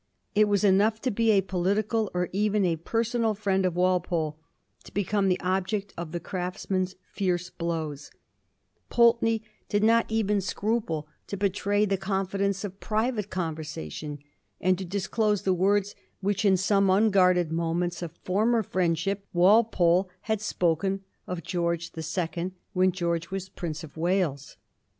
It was enough to be a political or even a personal friend of Walpole to become the object of the Craftsman^ s fierce blows. Pulteney did not even scruple to Digiti zed by Google 382 A HISTORY OF THE POUR GEORGES. ch. xn. hetTBj the confidence of private conversation, and to disclose the words which, in some unguarded moments of former friendship, Walpolehad spoken of George the Second when (Jeorge was Prince of Wales.